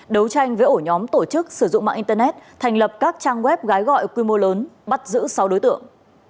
đấu tranh với ổ nhóm tổ chức sử dụng mạng internet thành lập các trang web gái gọi quy mô lớn bắt giữ sáu đối tượng